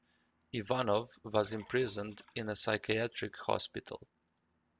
Ivanov was imprisoned in a psychiatric hospital.